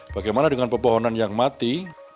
bagaimana dengan pepohonan yang mati